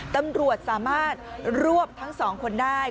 ตำรวจสามารถรวบทั้งสองคนได้